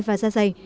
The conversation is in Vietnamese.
và gia dân